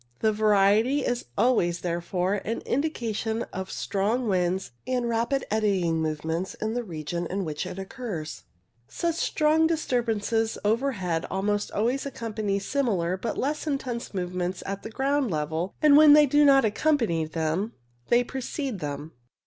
The variety is always, therefore, an indication of strong winds and rapid eddying movements in the region in which it occurs. Such strong disturbances over head almost always accompany similar but less intense movements at the ground level, and when they do not accompany them they precede them.